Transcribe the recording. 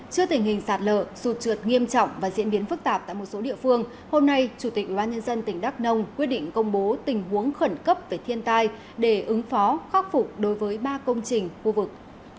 trước tình hình sạt lợ sụt trượt nghiêm trọng và diễn biến phức tạp tại một số địa phương hôm nay chủ tịch ubnd tỉnh đắk nông quyết định công bố tình huống khẩn cấp về thiên tai để ứng phó khắc phục đối với ba công trình khu vực